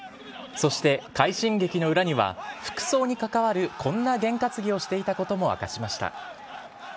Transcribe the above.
そして快進撃の裏には、服装に関わるこんな験担ぎをしていたことも明かしました。